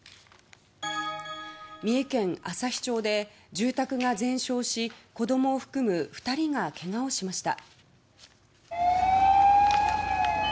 三重県朝日町で住宅が全焼し子供を含む２人がけがをしました。